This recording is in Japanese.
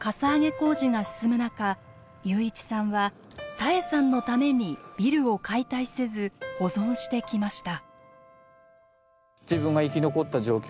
工事が進む中祐一さんは多恵さんのためにビルを解体せず保存してきました。